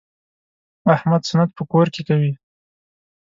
احمد سنت په کور کې کوي.